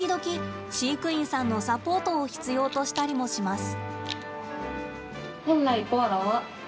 時々、飼育員さんのサポートを必要としたりもします。